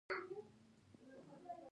د غنمو د هرزه ګیاوو لپاره کوم درمل وکاروم؟